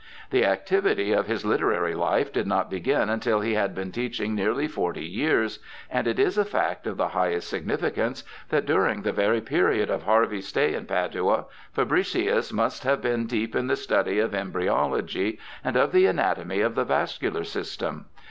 The activity of his literary life did not begin until he had been teaching nearly forty years, and it is a fact of the highest significance that, during the very period of Harvey's stay in Padua, Fabricius must have been deep in the study of embryology and of the anatomy of the vascular system.